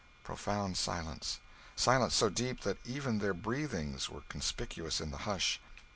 Profound silence; silence so deep that even their breathings were conspicuous in the hush.